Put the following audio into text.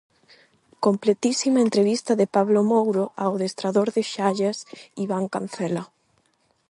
Completísima entrevista de Pablo Mouro ao adestrador do Xallas Iván Cancela.